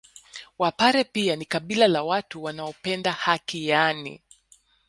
Wapare pia ni kabila la watu wanaopenda haki yaani